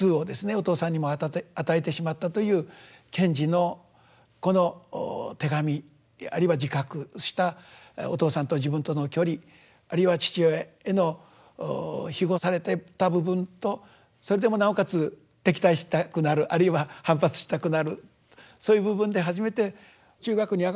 お父さんにも与えてしまったという賢治のこの手紙あるいは自覚したお父さんと自分との距離あるいは父親への庇護されていた部分とそれでもなおかつ敵対したくなるあるいは反発したくなるそういう部分で初めて中学に上がる時